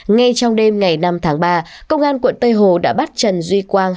ngay trong đêm ngày năm tháng ba công an quận tây hồ đã bắt trần duy quang hai mươi một tuổi